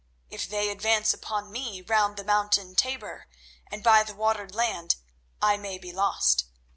If they advance upon me round the Mountain Tabor and by the watered land, I may be lost.